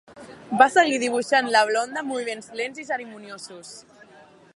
Va seguir dibuixant la blonda amb moviments lents i cerimoniosos.